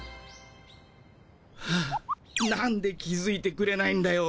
はあなんで気づいてくれないんだよ。